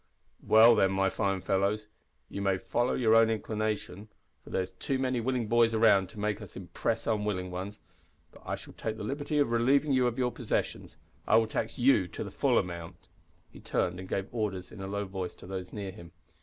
"Well, then, my fine fellows, you may follow your own inclinations, for there's too many willing boys around to make us impress unwilling ones, but I shall take the liberty of relieving you of your possessions. I will tax you to the full amount." He turned and gave orders in a low voice to those near him.